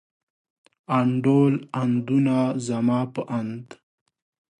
انډول، اندونه، زما په اند.